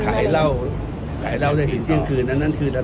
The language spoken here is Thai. การประชุมเมื่อวานมีข้อกำชับหรือข้อกำชับอะไรเป็นพิเศษ